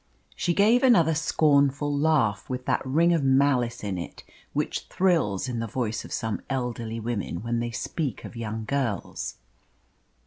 She gave another scornful laugh, with that ring of malice in it which thrills in the voice of some elderly women when they speak of young girls.